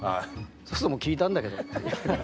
そうすると「もう聞いたんだけど」って。